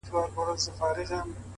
• د يوسفي ښکلا چيرمنې نوره مه راگوره،